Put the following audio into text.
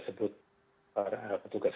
sebut para petugas